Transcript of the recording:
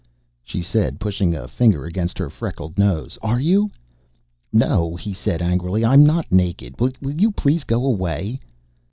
she said, pushing a finger against her freckled nose. "Are you?" "No," he said angrily. "I'm not naked. Will you please go away?"